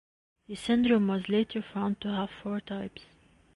The syndrome was later found to have four types.